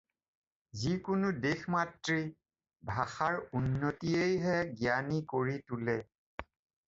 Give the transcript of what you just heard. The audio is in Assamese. যি কোনাে দেশ মাতৃ ভাষাৰ উন্নতিয়েই হে জ্ঞানী কৰি তোলে